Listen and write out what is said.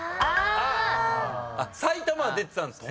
「埼玉」は出てたんですね。